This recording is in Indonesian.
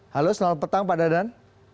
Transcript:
halo selamat petang pak dadan